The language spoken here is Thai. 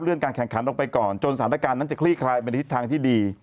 การแข่งขันออกไปก่อนจนสถานการณ์นั้นจะคลี่คลายไปในทิศทางที่ดี